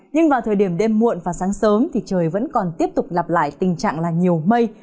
nhưng vào thời điểm đêm muộn và sáng sớm thì trời vẫn còn tiếp tục lặp lại tình trạng là nhiều mây